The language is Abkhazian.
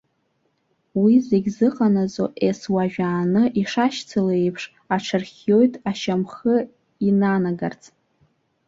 Уи зегьы зыҟанаҵо, ес-уажәааны ишашьцыло еиԥш, аҽархиоит, ашьамхы инанагарц.